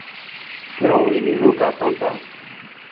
Pijo wii na i ruwee kaartong taa.